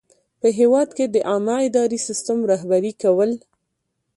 په هیواد کې د عامه اداري سیسټم رهبري کول.